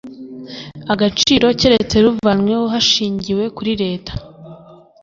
agaciro keretse ruvanyweho hashingiwe kuri leta